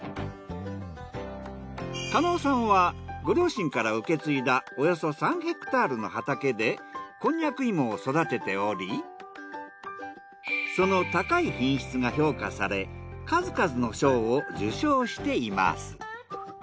狩野さんはご両親から受け継いだおよそ３ヘクタールの畑でこんにゃく芋を育てておりその高い品質が評価され数々の賞を受賞しています。